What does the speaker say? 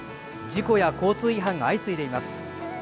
事故や交通違反が相次いでいます。